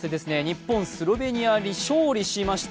日本、スロベニアに勝利しました。